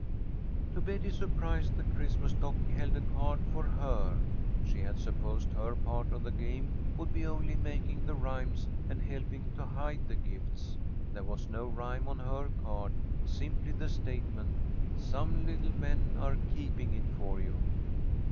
To Betty's surprise the Christmas stocking held a card for her. She had supposed her part of the game would be only making the rhymes and helping to hide the gifts. There was no rhyme on her card, simply the statement, "Some little men are keeping it for you."